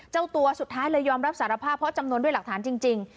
เจ้าตัวสุดท้ายเลยยอมรับสารภาพเพราะจำนวนด้วยหลักฐานจริง